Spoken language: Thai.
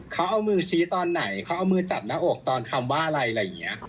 เขาเอามือชี้ตอนไหนเขาเอามือจับหน้าอกตอนคำว่าอะไรอะไรอย่างนี้